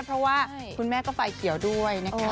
เพราะว่าคุณแม่ก็ไฟเขียวด้วยนะคะ